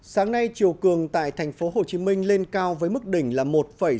sáng nay triều cường tại tp hcm lên cao với mức đỉnh một sáu mươi ba m